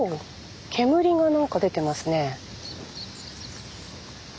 煙が何か出てますね。